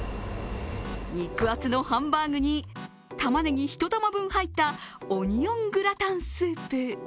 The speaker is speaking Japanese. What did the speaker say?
肉厚のハンバーグにたまねぎ１玉分入ったオニオングラタンスープ。